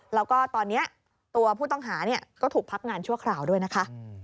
แล้วก็ตอนนี้ตัวผู้ต้องหาก็ถูกพักงานชั่วคราวด้วยนะคะ